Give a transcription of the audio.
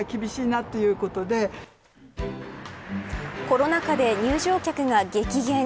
コロナ禍で入場客が激減。